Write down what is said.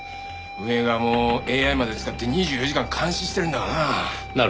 運営側もＡＩまで使って２４時間監視してるんだがな。